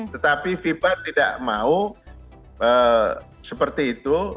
tetapi fifa tidak mau seperti itu